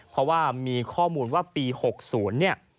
เพราะว่ามีข้อมูลว่าปี๖๐เนี่ย